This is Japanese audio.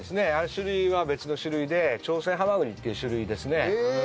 種類は別の種類でチョウセンハマグリっていう種類ですね。